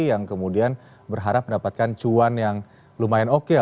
yang kemudian berharap mendapatkan cuan yang lumayan oke